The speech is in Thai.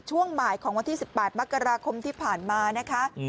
ช่วงบ่ายของวันที่๑๘มกราคมที่ผ่านมานะคะ